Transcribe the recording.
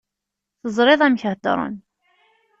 Teẓriḍ amek heddren.